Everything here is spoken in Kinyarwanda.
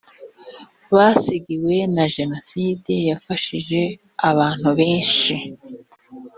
basigiwe na jenoside yafashije abantu benshi